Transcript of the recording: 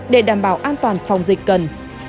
để đảm bảo an toàn phòng dịch cần